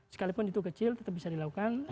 sekalipun itu kecil tetap bisa dilakukan